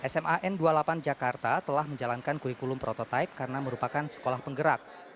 sman dua puluh delapan jakarta telah menjalankan kurikulum prototipe karena merupakan sekolah penggerak